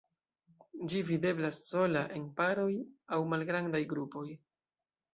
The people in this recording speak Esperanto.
Ĝi videblas sola, en paroj aŭ malgrandaj grupoj.